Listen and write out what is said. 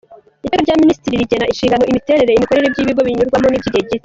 Iteka rya Minisitiri rigena inshingano, imiterere n’imikorere by’ibigo binyurwamo by’igihe gito;